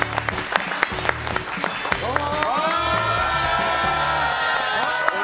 どうも！